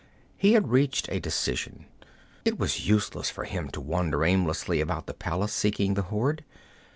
He had reached a decision; it was useless for him to wander aimlessly about the palace, seeking the hoard.